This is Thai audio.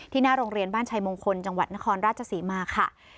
หน้าโรงเรียนบ้านชัยมงคลจังหวัดนครราชศรีมาค่ะ